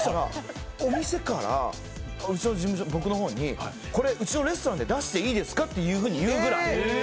お店からうちの事務所の僕の方にこれ、うちのレストランで出していいですかって言うぐらい。